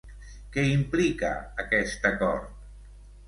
Què implica aquest acord?